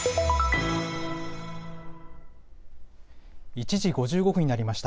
１時５５分になりました。